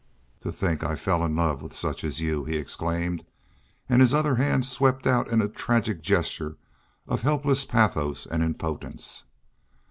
"To think I fell in love with such as you!" he exclaimed, and his other hand swept out in a tragic gesture of helpless pathos and impotence.